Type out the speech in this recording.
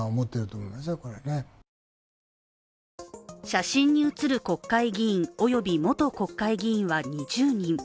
写真に写る国会議員及び元国会議員は２０人。